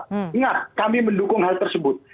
ingat kami mendukung hal tersebut